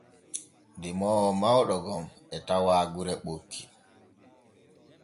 Demoowo mawɗo gom e tawa gure ɓokki.